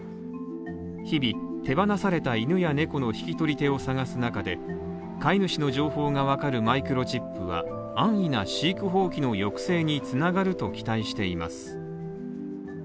日々手放された犬や猫の引き取り手を探す中で、飼い主の情報がわかるマイクロチップは安易な飼育放棄の抑制に繋がると期待しています。